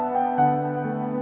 pas dengan ini